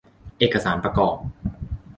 เอกสารประกอบ